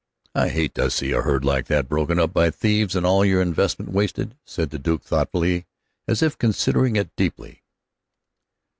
"I hate to see a herd like that broken up by thieves, and all of your investment wasted," said the Duke, thoughtfully, as if considering it deeply.